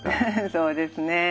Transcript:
そうですね。